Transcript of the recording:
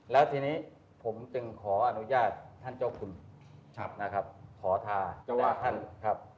แล้วทีนี้ผมจึงขออนุญาตท่านเจ้าคุณนะครับขอทา